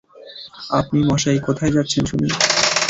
আপনি মশাই কোথায় যাচ্ছেন শুনি?